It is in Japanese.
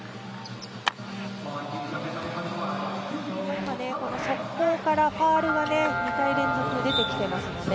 今、速攻からファウルが２回連続出てきてますので